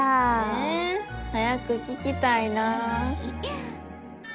え早く聞きたいなぁ。